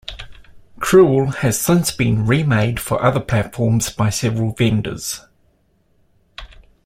Cruel has since been remade for other platforms by several vendors.